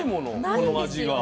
この味が。